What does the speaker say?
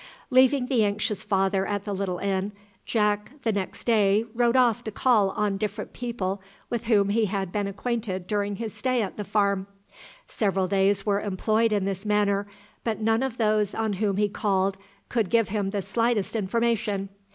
Leaving the anxious father at the little inn, Jack the next day rode off to call on the different people with whom he had been acquainted during his stay at the farm. Several days were employed in this manner, but none of those on whom he called could give him the slightest information.